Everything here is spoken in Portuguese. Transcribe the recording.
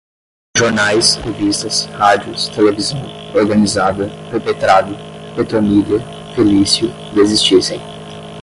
jornais, revistas, rádios, televisão, organizada, perpetrado, Petronília, Felício, desistissem